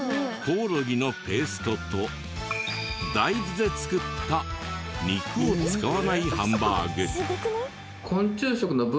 コオロギのペーストと大豆で作った肉を使わないハンバーグ。